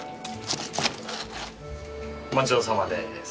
お待ち遠さまです。